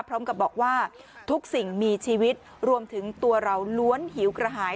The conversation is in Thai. พร้อมกับบอกว่าทุกสิ่งมีชีวิตรวมถึงตัวเราล้วนหิวกระหาย